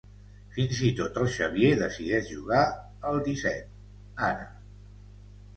Fins i tot el Xavier decideix jugar al disset, ara.